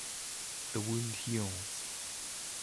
The wound heals.